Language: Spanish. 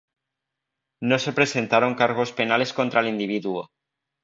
No se presentaron cargos penales contra el individuo.